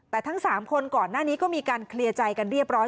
แต่ทั้ง๓คนก่อนหน้านี้ก็มีการเคลียร์ใจกันเรียบร้อย